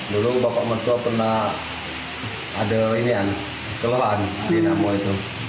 dulu bapak mertua pernah ada kelelahan di namo itu